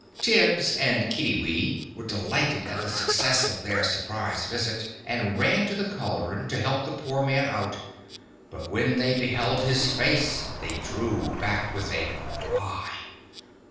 Tibbs and Kiddiwee were delighted at the success of their surprise visit, and ran to the cauldron to help the poor man out, but when they beheld his face they drew back with a cry.